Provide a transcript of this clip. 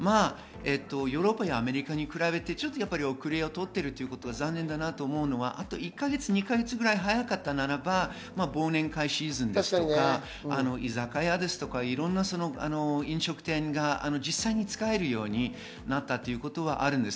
ヨーロッパやアメリカに比べて遅れをとっているということは残念だと思うのは、あと１か月、２か月ぐらい早かったなら忘年会シーズンとか、居酒屋、いろんな飲食店が実際に使えるようになったということはあります。